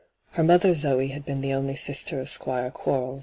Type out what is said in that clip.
Her mother Zoe had been the only sister of Squire Quarlee.